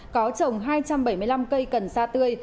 có trồng hai trăm bảy mươi năm cây cần sa tươi